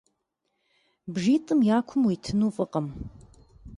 Бжитӏым я кум уитыну фӏыкъым.